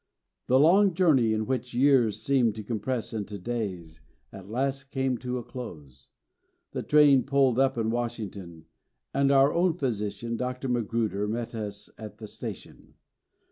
The long journey, in which years seemed compressed into days, at last came to a close. The train pulled up in Washington, and our own physician, Dr. Magruder, met us at the station.